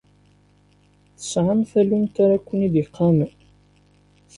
Tesɛam tallunt ara ken-id-iqamen?